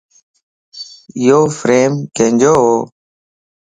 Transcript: ايو فريم ڪينجووَ